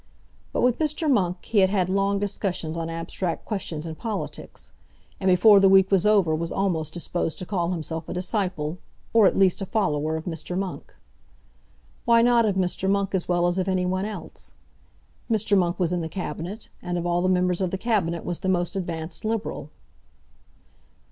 But with Mr. Monk he had had long discussions on abstract questions in politics, and before the week was over was almost disposed to call himself a disciple, or, at least, a follower of Mr. Monk. Why not of Mr. Monk as well as of any one else? Mr. Monk was in the Cabinet, and of all the members of the Cabinet was the most advanced Liberal.